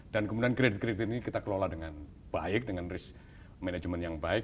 dan kemudian kredit kredit ini kita kelola dengan baik dengan risk management yang baik